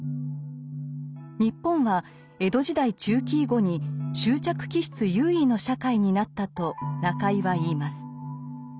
日本は江戸時代中期以後に執着気質優位の社会になったと中井は言います。